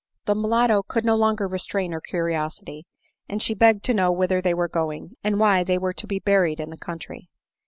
The mulatto could no longer restrain her cariosity; and she begged to know whither they were going, and why they were to be buried in the country